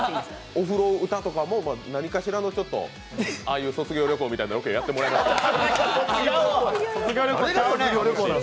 お風呂とかもああいう卒業旅行みたいなロケもやってもらいますよ。